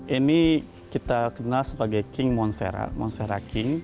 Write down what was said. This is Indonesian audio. ini kita kenal sebagai king monstera monstera king